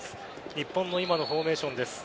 日本の今のフォーメーションです。